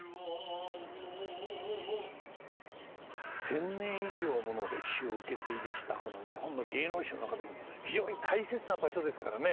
１，０００年以上もの歴史を受け継いできたこの日本の芸能史の中でも非常に大切な場所ですからね。